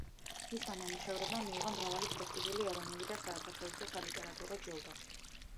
მისმა ნამუშევრებმა მიიღო მრავალი პრესტიჟული ეროვნული და საერთაშორისო სალიტერატურო ჯილდო.